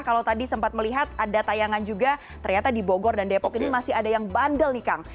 kalau tadi sempat melihat ada tayangan juga ternyata di bogor dan depok ini masih ada yang bandel nih kang